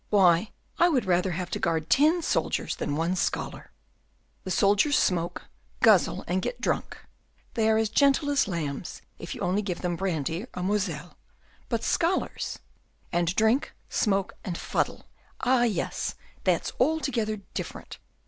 Why, I would rather have to guard ten soldiers than one scholar. The soldiers smoke, guzzle, and get drunk; they are gentle as lambs if you only give them brandy or Moselle, but scholars, and drink, smoke, and fuddle ah, yes, that's altogether different.